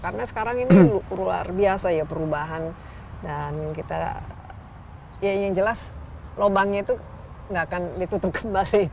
karena sekarang ini luar biasa ya perubahan dan yang kita ya yang jelas lobangnya itu nggak akan ditutup kembali